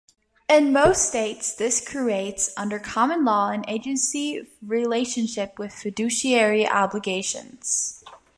In most states this creates, under common law, an agency relationship with fiduciary obligations.